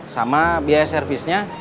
sama biaya servisnya